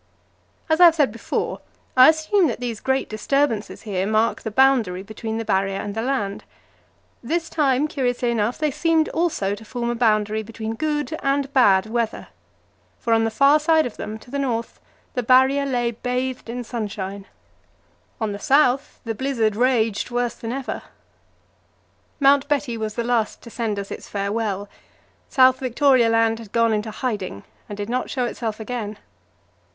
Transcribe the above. As I have said before, I assume that these great disturbances here mark the boundary between the Barrier and the land. This time, curiously enough, they seemed also to form a boundary between good and bad weather, for on the far side of them to the north the Barrier lay bathed in sunshine. On the south the blizzard raged worse than ever. Mount Betty was the last to send us its farewell. South Victoria Land had gone into hiding, and did not show itself again.